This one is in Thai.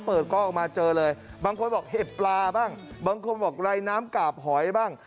กล้องออกมาเจอเลยบางคนบอกเห็บปลาบ้างบางคนบอกไรน้ำกาบหอยบ้าง